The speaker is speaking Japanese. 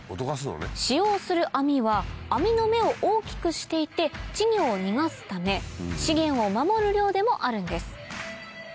使用する網は網の目を大きくしていて稚魚を逃がすため資源を守る漁でもあるんです４００